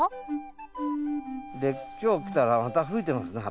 で今日来たらまた増えてますね